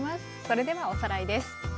それではおさらいです。